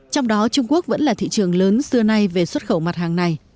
trong đó trung quốc vẫn là thị trường lớn xưa nay về xuất khẩu mặt hàng này